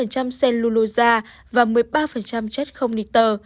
ba tám cellulose và một mươi ba chất không nitro